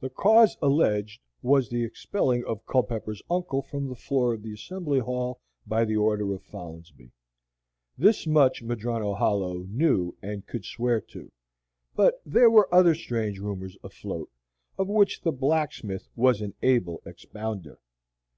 The cause alleged was the expelling of Culpepper's uncle from the floor of the Assembly Ball by the order of Folinsbee. This much Madrono Hollow knew and could swear to; but there were other strange rumors afloat, of which the blacksmith was an able expounder.